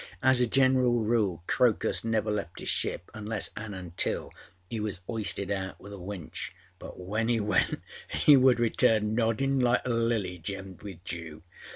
As a general rule Crocus never left âis ship unless anâ until he was âoisted out with a winch, but when âe went âe would return noddinâ like a lily gemmed with dew.